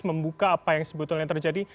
membuka apa yang sebetulnya terjadi